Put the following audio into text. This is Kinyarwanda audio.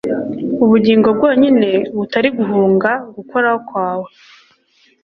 Ubugingo bwonyine butari guhunga Gukoraho kwawe,